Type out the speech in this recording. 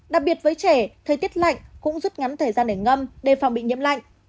đặc biệt với trẻ thời tiết lạnh cũng rút ngắn thời gian để ngâm để phòng bị nhiễm lạnh